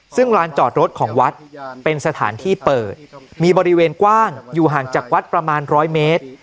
ซึ่งลานจอดรถของวัดเป็นสถานที่เปิดมีบริเวณกว้างอยู่ห่างจากวัดประมาณ๑๐๐เมตร